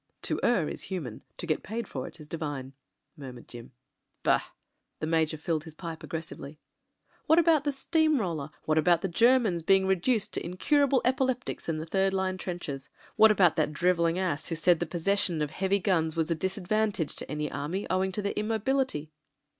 "To err is human ; to get paid for it is divine," mur mured Jim. "Bah!" the Major filled his pipe aggressively. "What about the steam roller, what about the Ger mans being reduced to incurable epileptics in the third line trenches — ^what about that drivelling ass who said the possession of heavy guns was a disadvantage to an army owing to their immobility